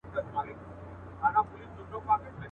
ډوب سم جهاني غوندي له نوم سره.